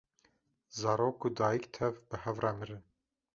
zarok û dayîk tev bi hev re mirin